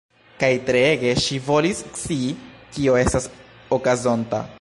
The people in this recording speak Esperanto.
Kaj treege ŝi volis scii kio estas okazonta.